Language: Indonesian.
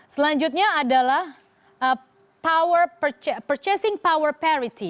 selanjutnya adalah purchasing power parity